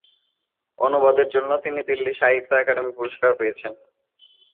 অনুবাদের জন্য তিনি দিল্লি সাহিত্য একাডেমি পুরস্কার পেয়েছেন।